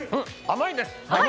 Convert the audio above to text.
甘いです！